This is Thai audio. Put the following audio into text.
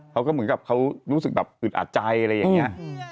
เขาก็เหมือนกับเขารู้สึกแบบอึดอัดใจอะไรอย่างนี้